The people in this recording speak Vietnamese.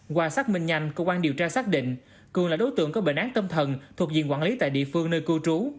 qua xác minh nhanh cơ quan điều tra xác định cường là đối tượng có bệnh án tâm thần thuộc diện quản lý tại địa phương nơi cư trú